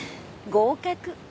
合格。